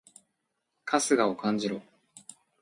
春日を感じろ！